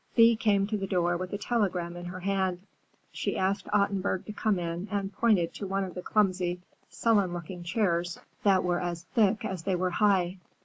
Thea came to the door with a telegram in her hand. She asked Ottenburg to come in and pointed to one of the clumsy, sullen looking chairs that were as thick as they were high.